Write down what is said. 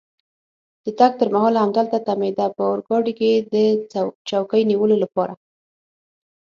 د تګ تر مهاله همدلته تمېده، په اورګاډي کې د چوکۍ نیولو لپاره.